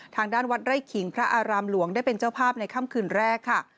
ทางด้านวัดไร่ขิงพระอารามหลวงได้เป็นเจ้าภาพในค่ำคืนแรกค่ะ